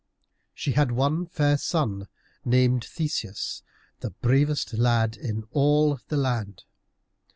She had one fair son named Theseus, the bravest lad in all the land.